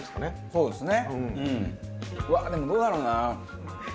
そうですね。